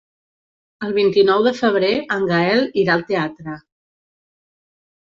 El vint-i-nou de febrer en Gaël irà al teatre.